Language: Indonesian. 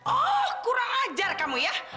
oh kurang ajar kamu ya